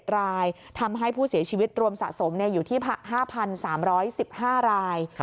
๗รายทำให้ผู้เสียชีวิตรวมสะสมอยู่ที่๕๓๑๕ราย